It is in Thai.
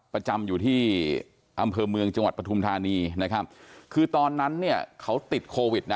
ประจำอยู่ที่อำเภอเมืองจังหวัดปฐุมธานีนะครับคือตอนนั้นเนี่ยเขาติดโควิดนะ